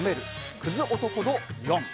クズ男度４。